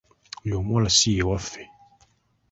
Oyo omuwala si ye waffe.